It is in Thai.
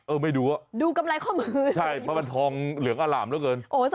เออไม่ดูอ่ะใช่มันมันทองเหลืองอาร่ำแล้วเกินดูกำไรข้อมือ